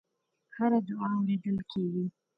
هره دعا اورېدل کېږي.